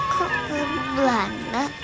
kok ke belanda